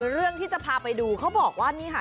เรื่องที่จะพาไปดูเขาบอกว่านี่ค่ะ